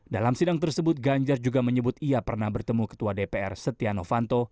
dalam sidang tersebut ganjar juga menyebut ia pernah bertemu ketua dpr setia novanto